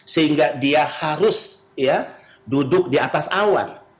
sehingga dia harus duduk di atas awan